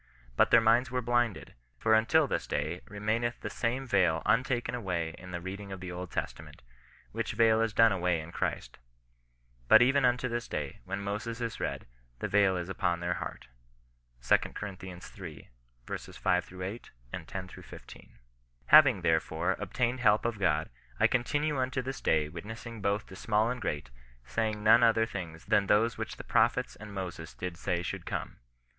But their minds were blinded ; for until this day, re maincth the same veil untaken away in the reading of the Old Testament ; which veil is done away in Christ But even unto this day, when Moses is read, the veil is upon their heart." 2 Cor. iii. 6 — 8, 10 — 15. " Having, therefore, obtained help of God, I continue imto this day witnessing both to small and great, saying none other things than those which the prophets and Moses did say should come.